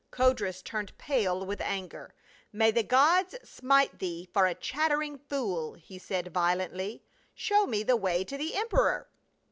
Codrus turned pale with anger. " May the gods smite thee for a chattering fool," he said violently. " Show me the way to the emperor."